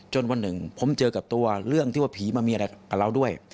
วันหนึ่งผมเจอกับตัวเรื่องที่ว่าผีมามีอะไรกับเราด้วย